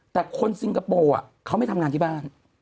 แต่คนซิงคโปร์เขาไม่ทำงานที่บ้าน